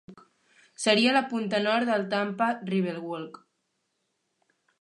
Seria la punta nord del Tampa Riverwalk.